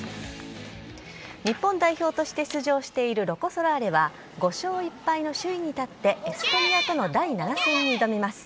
日本代表として出場しているロコ・ソラーレは５勝１敗の首位に立ってエストニアとの第７戦に挑みます。